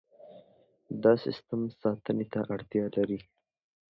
دا سیستم ساتنې ته اړتیا لري.